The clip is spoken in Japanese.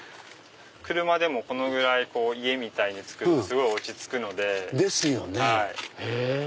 車でもこのぐらい家みたいに造るとすごい落ち着くので。ですよね。